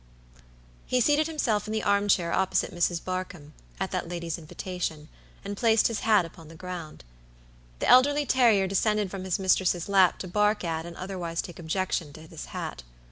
He seated himself in the arm chair opposite Mrs. Barkamb, at that lady's invitation, and placed his hat upon the ground. The elderly terrier descended from his mistress' lap to bark at and otherwise take objection to this hat.